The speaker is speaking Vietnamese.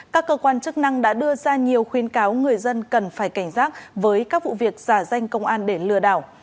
các cơ quan chức năng đã đưa ra nhiều khuyến cáo người dân cần phải cảnh giác với các vụ việc giả danh công an để lừa đảo